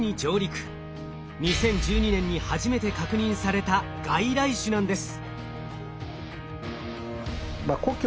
２０１２年に初めて確認された外来種なんです。